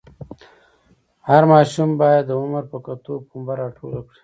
هر ماشوم باید د عمر په کتو پنبه راټوله کړي.